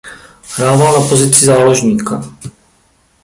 Hrával na pozici záložníka.